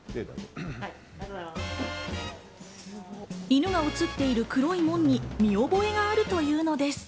犬が写っている黒い門に見覚えがあるというのです。